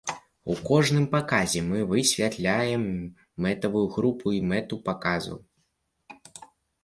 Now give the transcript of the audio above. У кожным паказе мы высвятляем мэтавую групу і мэту паказу.